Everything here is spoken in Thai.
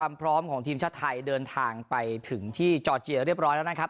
พร้อมของทีมชาติไทยเดินทางไปถึงที่จอร์เจียเรียบร้อยแล้วนะครับ